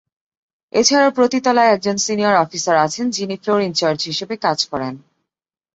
এছাড়াও প্রতি তলায় একজন সিনিয়র অফিসার আছেন যিনি ফ্লোর ইন-চার্জ হিসাবে কাজ করেন।